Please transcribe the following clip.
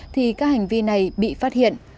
thì các hành vi này bị phát hiện